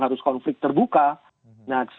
harus konflik terbuka nah